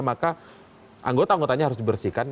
maka anggota anggotanya harus dibersihkan